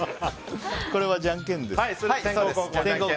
これはじゃんけんですか。